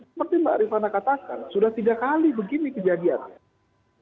seperti mbak rifana katakan sudah tiga kali begini kejadiannya